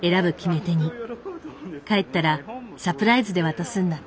帰ったらサプライズで渡すんだって。